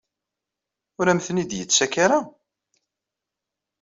Ur am-ten-id-yettak ara?